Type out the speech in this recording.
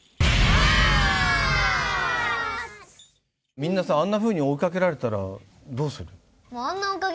みんなさあんなふうに追い掛けられたらどうする？